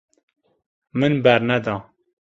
Min berneda.